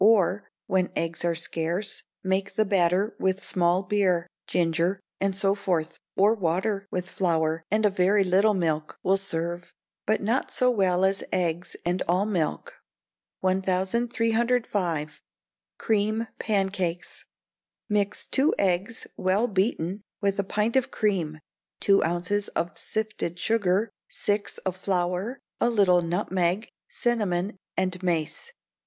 Or, when eggs are scarce, make the batter with small beer, ginger, and so forth; or water, with flour, and a very little milk, will serve, but not so well as eggs and all milk. 1305. Cream Pancakes. Mix two eggs, well beaten, with a pint of cream, two ounces of sifted sugar, six of flour, a little nutmeg, cinnamon, and mace.